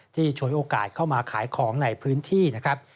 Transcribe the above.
ฉวยโอกาสเข้ามาขายของในพื้นที่นะครับ